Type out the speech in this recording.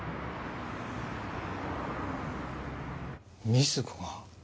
瑞子が。